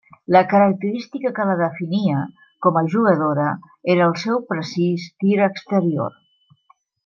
La característica que la definia com a jugadora era el seu precís tir exterior.